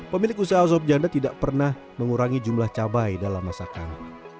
pemilik usaha sop janda tidak pernah mengurangi jumlah cabai dalam masakan